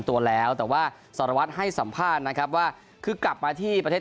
ตัวแล้วแต่ว่าสารวัตรให้สัมภาษณ์นะครับว่าคือกลับมาที่ประเทศ